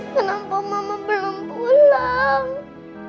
kenapa mama belum pulang